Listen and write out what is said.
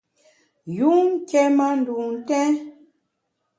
Yun nké ma ndun ntèn.